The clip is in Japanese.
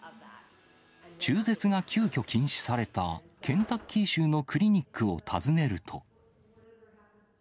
中絶が急きょ禁止されたケンタッキー州のクリニックを訪ねると。